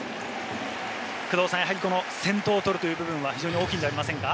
やはりこの先頭を取るという部分は非常に大きいんじゃありませんか？